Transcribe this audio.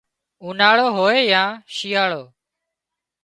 اُوناۯو هوئي يا شيئاۯو